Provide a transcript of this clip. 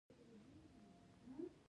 که واردات یې له صادراتو زیات وي منفي ده